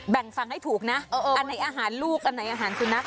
แบ่งฟังให้ถูกนะอันไหนอาหารลูกอันไหนอาหารสุนัข